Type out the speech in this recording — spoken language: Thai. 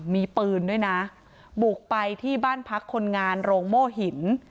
มีปืนด้วยนะบุกไปที่บ้านพักคนงานโรงโม่หิน